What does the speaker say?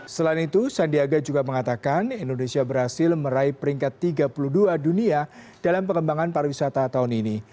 selain itu sandiaga juga mengatakan indonesia berhasil meraih peringkat tiga puluh dua dunia dalam pengembangan pariwisata tahun ini